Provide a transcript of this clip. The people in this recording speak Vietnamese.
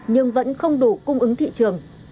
nhưng vẫn không đủ cung ứng thị trường